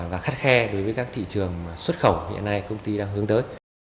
và khắt khe đối với các thị trường xuất khẩu hiện nay công ty đang hướng tới